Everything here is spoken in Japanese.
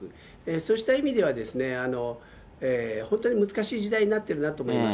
そうした意味では、本当に難しい時代になってるなと思います。